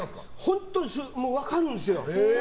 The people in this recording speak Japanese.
本当に分かるんですよ。